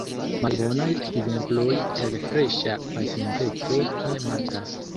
Malbonaj ekzemploj el freŝa pasinteco ne mankas.